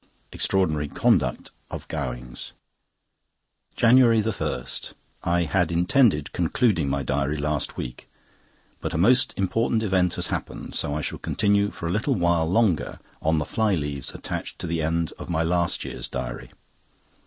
Extraordinary conduct of Gowing's. JANUARY 1.—I had intended concluding my diary last week; but a most important event has happened, so I shall continue for a little while longer on the fly leaves attached to the end of my last year's diary.